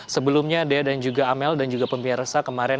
sebelumnya dea dan juga amel dan juga pemirsa kemarin